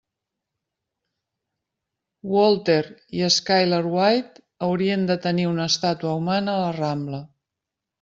Walter i Skyler White haurien de tenir una estàtua humana a la Rambla.